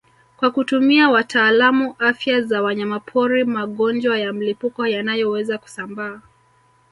Kwa kutumia watalaamu afya za wanyamapori magonjwa ya mlipuko yanayoweza kusambaa